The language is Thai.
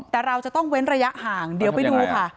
แต่เราจะต้องเว้นระยะห่างเดี๋ยวไปดูค่ะ